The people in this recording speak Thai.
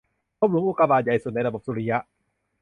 พบหลุมอุกกาบาตใหญ่สุดในระบบสุริยะ